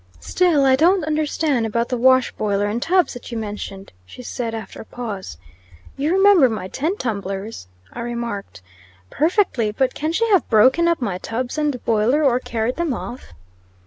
"Still I don't understand about the wash boiler and tubs that you mentioned," she said, after a pause. "You remember my ten tumblers," I remarked. "Perfectly. But can she have broken up my tubs and boiler, or carried them off?"